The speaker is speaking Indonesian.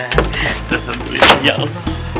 alhamdulillah ya allah